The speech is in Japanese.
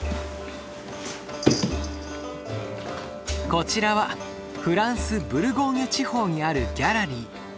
こちらはフランスブルゴーニュ地方にあるギャラリー。